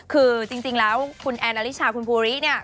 คือจริงแล้วคุณแอนอลิชาคุณภูริเนี่ย